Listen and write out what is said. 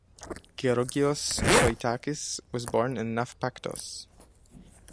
Georgios Zoitakis was born in Nafpaktos.